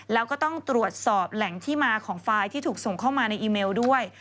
แล้วก็ต้องตรวจสอบแหล่งที่มาของไฟล์ที่ถูกส่งเข้ามาในอีเมลด้วย